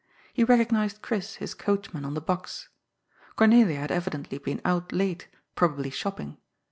He recognised Chris, his coachman, on the box. Oomelia had evidently been out late, probably shopping.